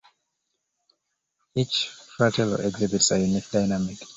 Each "fratello" exhibits a unique dynamic.